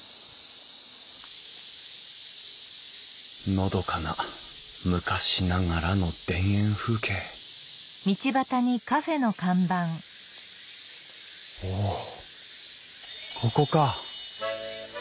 のどかな昔ながらの田園風景おっここか。